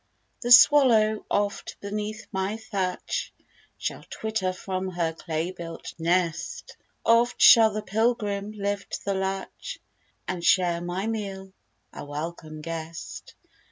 The swallow, oft, beneath my thatch, Shall twitter from her clay built nest; Oft shall the pilgrim lift the latch, And share my meal, a welcome guest.